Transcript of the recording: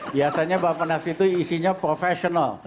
biasanya bapak nas itu isinya profesional